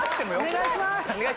お願いします！